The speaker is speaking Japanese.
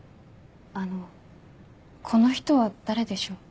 あのこの人は誰でしょう？